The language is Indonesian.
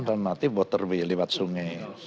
alternatif waterway lewat sungai